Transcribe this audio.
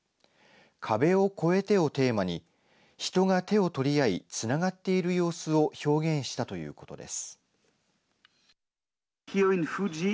壁を越えてをテーマに人が手を取り合いつながっている様子を表現したということです。